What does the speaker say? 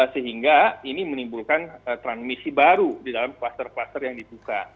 sehingga ini menimbulkan transmisi baru di dalam kluster kluster yang dibuka